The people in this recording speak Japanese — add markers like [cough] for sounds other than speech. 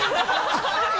ハハハ [laughs]